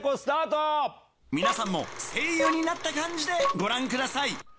皆さんも声優になった感じでご覧ください